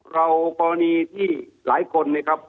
กรณีที่หลายคนนะครับ